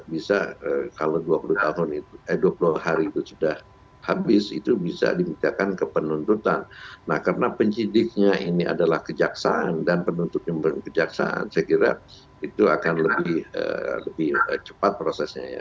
bisa kalau dua puluh hari itu sudah habis itu bisa dimintakan ke penuntutan nah karena penyidiknya ini adalah kejaksaan dan penuntutnya kejaksaan saya kira itu akan lebih cepat prosesnya ya